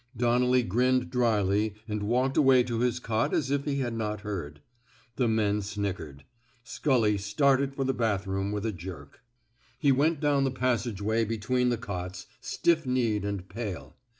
Donnelly grinned drily, and walked away 268 A PERSONALLY CONDUCTED REVOLT to his cot as if he had not heard. The men snickered. Scully started for the bathroom with a jerk. He went down the passageway between the cots, stiff kneed and pale.